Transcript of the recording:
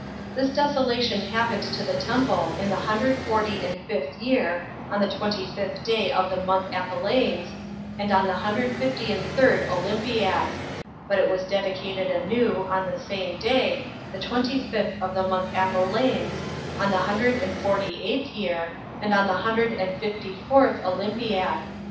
This desolation happened to the temple in the hundred forty and fifth year, on the twenty fifth day of the month Apeliens, and on the hundred fifty and third olympiad: but it was dedicated anew, on the same day, the twenty fifth of the month Apeliens, on the hundred and forty eighth year, and on the hundred and fifty fourth olympiad.